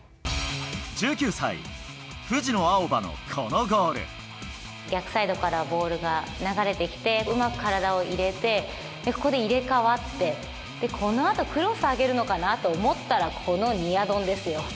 １９歳、藤野あおばのこのゴ逆サイドからボールが流れてきて、うまく体を入れて、ここで入れ代わって、で、このあとクロス上げるのかなと思ったら、このニアドンですよ。